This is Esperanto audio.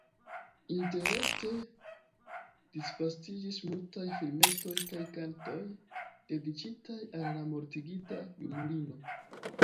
Interrete disvastiĝis multaj filmetoj kaj kantoj, dediĉitaj al la mortigita junulino.